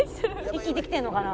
「息できてるのかな？」